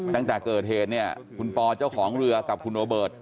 ตั้งแต่เกิดเหตุเนี่ยคุณปอเจ้าของเรือกับคุณโรเบิร์ต